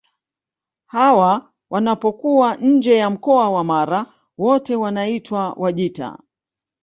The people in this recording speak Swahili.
Hawa wanapokuwa nje ya mkoa wa Mara wote wanaitwa Wajita